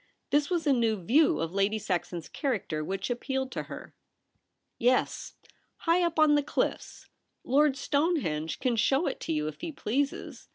This was a new view of Lady Saxon's character which appealed to hen * Yes, high up on the cliffs. Lord Stone henge can show it to you if he pleases.